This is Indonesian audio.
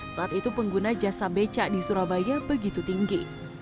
saat itu pengguna jasa becak di surabaya begitu tinggi